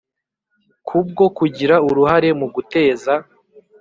Ku bwo kugira uruhahare mu guteza